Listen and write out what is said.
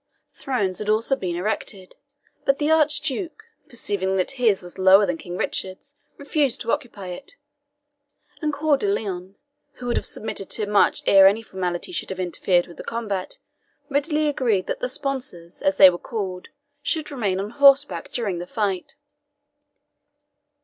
Thrones had been also erected, but the Archduke, perceiving that his was lower than King Richard's, refused to occupy it; and Coeur de Lion, who would have submitted to much ere any formality should have interfered with the combat, readily agreed that the sponsors, as they were called, should remain on horseback during the fight.